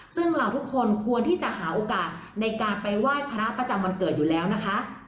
ซึ่งเราทุกคนควรที่จะหาโอกาสในการไปไหว้พระประจำวันเกิดอยู่แล้วนะคะ